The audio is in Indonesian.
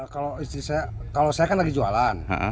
kalau istri saya kalau saya kan lagi jualan